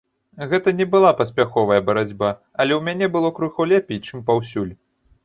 Гэта не была паспяховая барацьба, але ў мяне было крыху лепей, чым паўсюль.